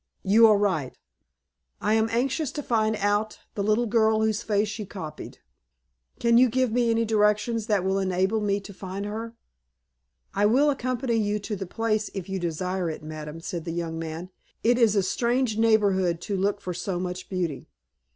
"You are right." "I am anxious to find out the little girl whose face you copied. Can you give me any directions that will enable me to find her out?" "I will accompany you to the place, if you desire it, madam," said the young man. "It is a strange neighborhood to look for so much beauty."